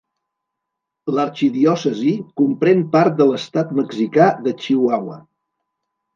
L'arxidiòcesi comprèn part de l'estat mexicà de Chihuahua.